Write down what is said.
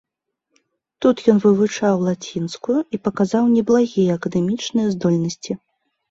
Тут ён вывучаў лацінскую і паказаў неблагія акадэмічныя здольнасці.